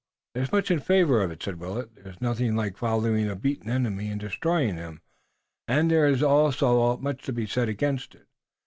"There's much in favor of it," said Willet. "There's nothing like following a beaten enemy and destroying him, and there is also much to be said against it.